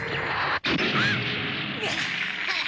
あっ！